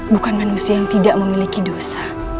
bukan manusia yang tidak memiliki dosa